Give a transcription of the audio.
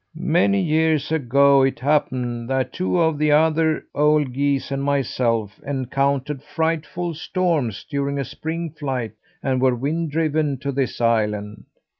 "Many years ago it happened that two of the other old geese and myself encountered frightful storms during a spring flight and were wind driven to this island.